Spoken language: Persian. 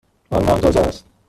آیا نان تازه است؟